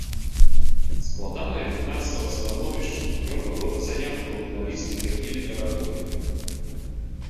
Складанае фінансавае становішча прывяло яго да заняткаў журналістыкай і літаратурай.